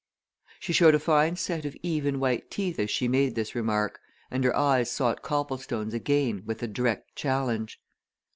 She showed a fine set of even white teeth as she made this remark, and her eyes sought Copplestone's again with a direct challenge.